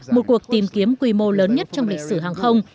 một cuộc tìm kiếm quy mô lớn nhất trong lịch sử hàng không